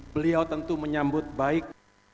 beliau tentu menyambut baik